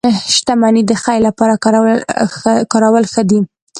• شتمني د خیر لپاره کارول ښه دي.